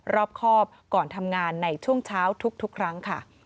รอบครอบก่อนทำงานในช่วงเช้าทุกครั้งค่ะ